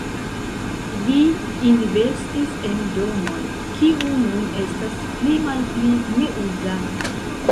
Vi investis en domon, kiu nun estas pli malpli neuzata.